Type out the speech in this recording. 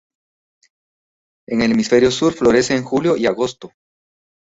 En el hemisferio sur florece en Julio y Agosto.